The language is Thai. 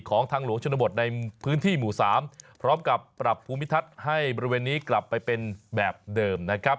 ทางหลวงชนบทในพื้นที่หมู่๓พร้อมกับปรับภูมิทัศน์ให้บริเวณนี้กลับไปเป็นแบบเดิมนะครับ